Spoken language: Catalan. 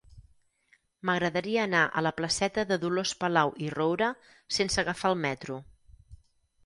M'agradaria anar a la placeta de Dolors Palau i Roura sense agafar el metro.